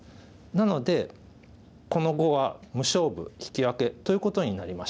なのでこの碁は無勝負引き分けということになりました。